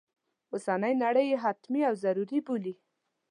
اوسنی نړی یې حتمي و ضروري بولي.